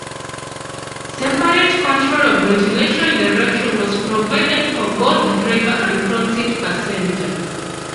Separate control of ventilation direction was provided for both driver and front seat passenger.